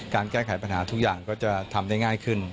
แก้ไขปัญหาทุกอย่างก็จะทำได้ง่ายขึ้น